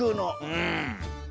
うん。